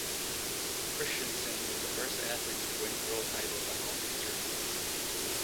Kristiansen was the first athlete to win World titles on all three surfaces.